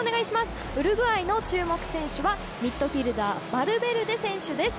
ウルグアイの注目選手はミッドフィールダーバルベルデ選手です。